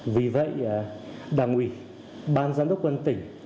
vì vậy đảng ủy ban giám đốc quân tỉnh